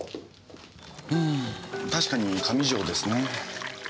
うん確かに上条ですね。